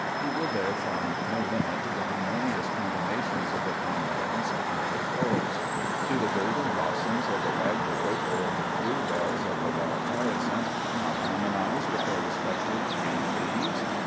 He will there find no limit to the harmonious combinations of the primary and secondary colors. Do the golden blossoms of the ragwort or the blue bells of the wild hyacinth not harmonize with their respective green leaves?